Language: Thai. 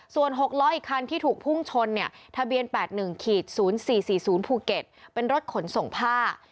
ส่วน๖ล้ออีกคันที่ถูกพุ่งชนเนี่ยทะเบียน๘๑๐๔๔๐ภูเก็ตเป็นรถขนส่งผ้า